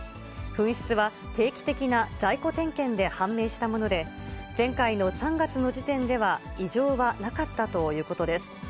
紛失は定期的な在庫点検で判明したもので、前回の３月の時点では、異常はなかったということです。